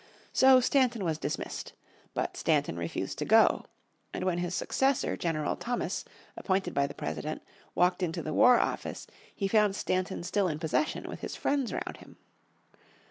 So Stanton was dismissed. But Stanton refused to go. And when his successor, General Thomas, appointed by the President, walked into the War office, he found Stanton still in possession, with his friends round him.